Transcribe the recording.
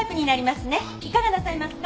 いかがなさいますか？